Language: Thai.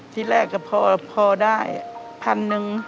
ที่แรกพอได้๑๐๐๐บาท